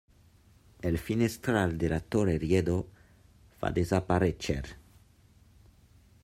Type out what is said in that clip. El finestral de la torre Lledó va desaparèixer.